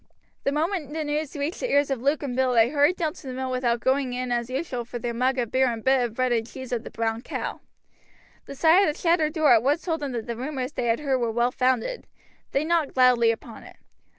The moment the news reached the ears of Luke and Bill they hurried down to the mill without going in as usual for their mug of beer and bit of bread and cheese at the "Brown Cow." The sight of the shattered door at once told them that the rumors they had heard were well founded. They knocked loudly upon it.